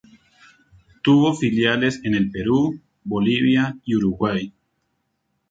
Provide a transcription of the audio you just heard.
Tuvo filiales en el Perú, Bolivia y Uruguay.